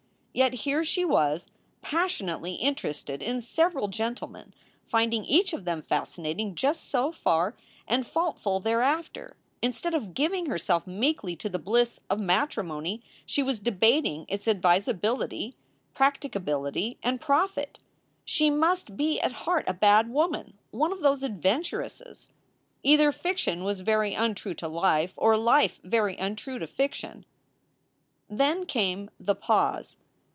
Yet here she was, passionately interested in several gentle men, finding each of them fascinating just so far, and faultful thereafter. Instead of giving herself meekly to the bliss of matrimony she was debating its advisability, practicability, and profit. She must be at heart a bad woman; one of those adventuresses. Either fiction was very untrue to life, or life very untrue to fiction. Then came The Pause.